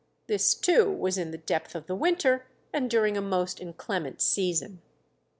This, too, was in the depth of the winter, and during a most inclement season.